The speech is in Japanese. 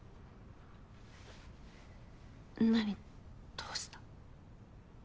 どうした？